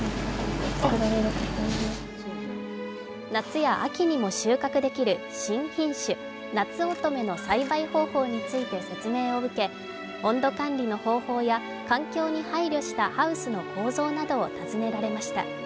夏や秋にも収穫できる新品種、なつおとめの栽培方法について説明を受け温度管理の方法や環境に配慮したハウスの構造などを尋ねられました。